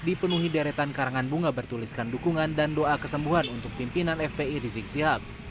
dipenuhi deretan karangan bunga bertuliskan dukungan dan doa kesembuhan untuk pimpinan fpi rizik sihab